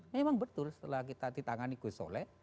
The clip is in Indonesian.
memang betul setelah kita ditangani gus solah